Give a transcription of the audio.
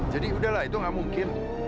jadi udahlah itu nggak mungkin